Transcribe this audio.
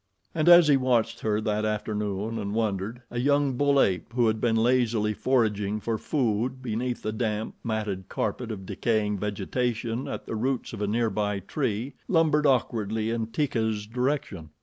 And as he watched her that afternoon, and wondered, a young bull ape who had been lazily foraging for food beneath the damp, matted carpet of decaying vegetation at the roots of a near by tree lumbered awkwardly in Teeka's direction.